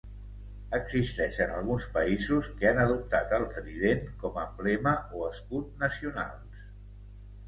Existeixen alguns països que han adoptat el trident com emblema o escut nacionals.